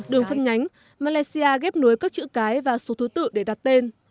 đường phân nhánh malaysia ghép nối các chữ cái và số thứ tự để đặt tên